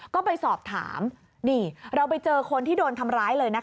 ก็ไปสอบถามนี่เราไปเจอคนที่โดนทำร้ายเลยนะคะ